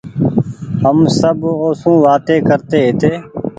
هم سب اوسون وآتي ڪرتي هيتي